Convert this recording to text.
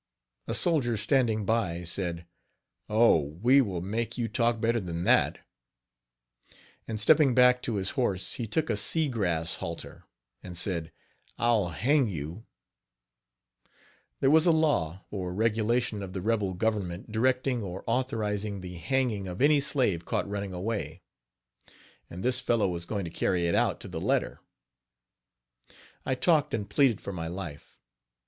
A soldier standing by said: "Oh! we will make you talk better than that;" and stepping back to his horse, he took a sea grass halter, and said: "I'll hang you." There was a law or regulation of the rebel government directing or authorizing the hanging of any slave caught running away; and this fellow was going to carry it out to the letter. I talked and pleaded for my life.